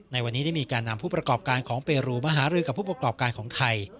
ในวันนี้ได้มีการนำผู้ประกอบการของเปรูมาหารือกับผู้ประกอบการของไทย